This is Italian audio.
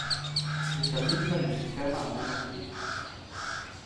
Cristallizza nel sistema Monoclino.